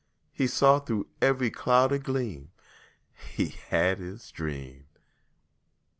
He saw through every cloud a gleam He had his dream.